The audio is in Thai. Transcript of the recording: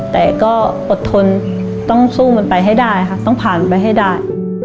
แต่ก็อดทนต้องสู้มันไปให้ได้ค่ะต้องผ่านไปให้ได้